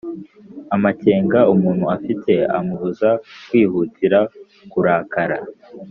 amakenga umuntu afite amubuza kwihutira kurakara,